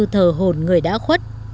thờ hồn người đã khuất